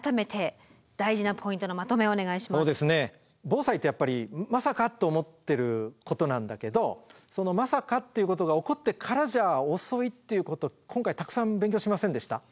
防災ってやっぱりまさかと思ってることなんだけどそのまさかっていうことが起こってからじゃ遅いっていうこと今回たくさん勉強しませんでした？